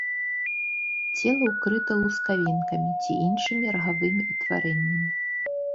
Цела ўкрыта лускавінкамі ці іншымі рагавымі ўтварэннямі.